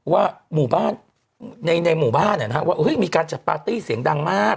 ว่าในหมู่บ้านมีการจัดปาร์ตี้เสียงดังมาก